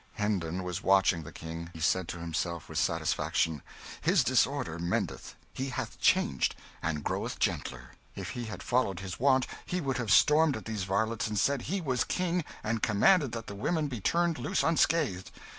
Hendon was watching the King. He said to himself, with satisfaction, "His disorder mendeth; he hath changed, and groweth gentler. If he had followed his wont, he would have stormed at these varlets, and said he was King, and commanded that the women be turned loose unscathed.